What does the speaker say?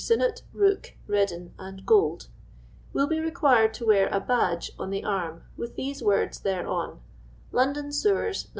Sinnott, Rooke, Reddin, and Gould), " will be re quired to wear a Badge on the arm with these words thereon, —"' London Sewers, N».